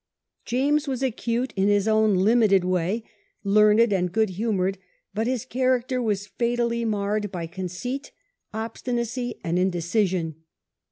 James was acute in his own limited way, learned, and good humoured; but his character was fatally marred by conceit, obstinacy, and indecision.